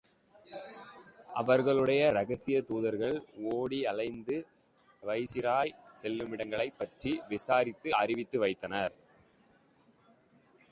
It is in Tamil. அவர்களுடைய இரகசிய தூதர்கள் ஓடி அலைந்து வைசிராய் செல்லுமிடங்களைப் பற்றி விசாரித்து அறிவித்து வந்தனர்.